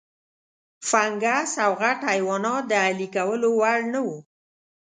فنګس او غټ حیوانات د اهلي کولو وړ نه وو.